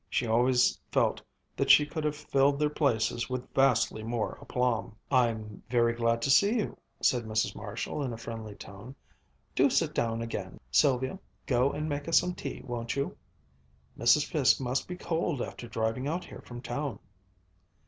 She always felt that she could have filled their places with vastly more aplomb. "I'm very glad to see you," said Mrs. Marshall in a friendly tone. "Do sit down again. Sylvia, go and make us some tea, won't you? Mrs. Fiske must be cold after driving out here from town."